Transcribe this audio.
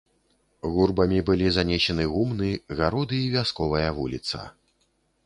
Гурбамі былі занесены гумны, гароды і вясковая вуліца.